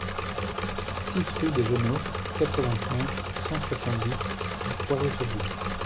six rue des Genôts, quatre-vingt-cinq, cent soixante-dix au Poiré-sur-Vie